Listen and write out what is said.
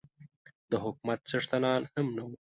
د حکومت څښتنان هم نه وو.